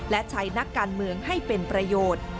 และใช้นักการเมืองให้เป็นประโยชน์